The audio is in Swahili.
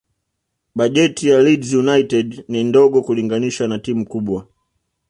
bajeti ya leeds united ni ndogo kulinganisha na timu kubwa